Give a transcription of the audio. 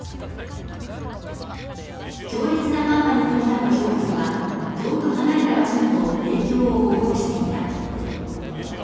強烈な寒波に伴う強風は、遠く離れた場所にも影響を及ぼしていた。